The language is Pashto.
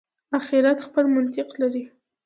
آخرت خپل منطق لري.